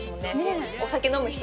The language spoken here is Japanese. お酒飲む人はね。